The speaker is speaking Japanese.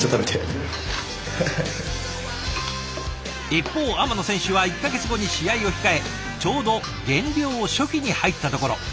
一方天野選手は１か月後に試合を控えちょうど減量初期に入ったところ。